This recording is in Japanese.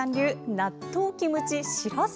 納豆キムチしらす